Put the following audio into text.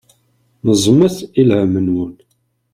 Neẓmet i lhem-nwen.